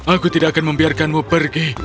aku tidak akan membiarkanmu pergi